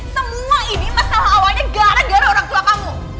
semua ini masalah awalnya gara gara orang tua kamu